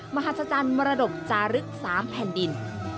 มหาสจารมรดกจารึก๓แผ่นดิน